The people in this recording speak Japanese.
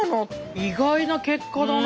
意外な結果だな。